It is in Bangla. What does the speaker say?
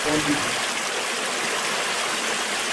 নলিনাক্ষের ময়লা ছাড়া-ধুতি ঘরের এক কোণে পড়িয়া ছিল।